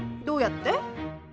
どうやって？